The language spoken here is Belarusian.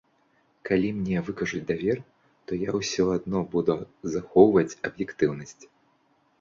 Калі мне выкажуць давер, то я ўсё адно буду захоўваць аб'ектыўнасць.